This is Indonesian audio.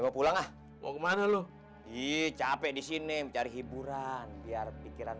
pulang mau kemana lu capek disini mencari hiburan biar pikiran